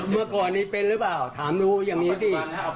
เมื่อก่อนนี้เป็นหรือเปล่าถามดูอย่างนี้สิ